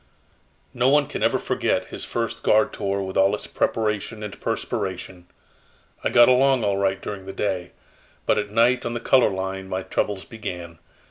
"No one can ever forget his first guard tour with all its preparation and perspiration. I got along all right during the day, but at night on the color line my troubles began.